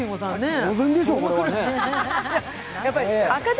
当然でしょう、これはね。